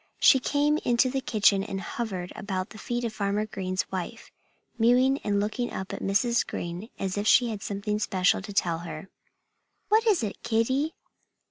She came into the kitchen and hovered about the feet of Farmer Green's wife, mewing and looking up at Mrs. Green as if she had something special to tell her. "What is it, Kitty?"